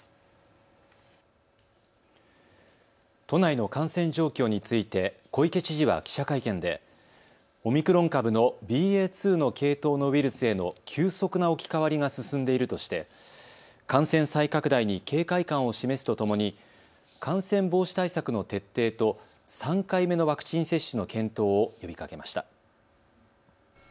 都内の感染状況について小池知事は記者会見でオミクロン株のＢＡ．２の系統のウイルスへの急速な置き換わりが進んでいるとして感染再拡大に警戒感を示すとともに感染防止対策の徹底と３回目のワクチン接種の検討を呼びかけました。